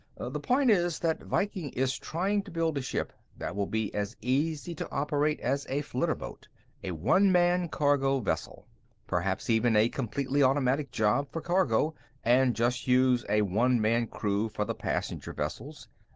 The point is that Viking is trying to build a ship that will be as easy to operate as a flitterboat a one man cargo vessel. Perhaps even a completely automatic job for cargo, and just use a one man crew for the passenger vessels.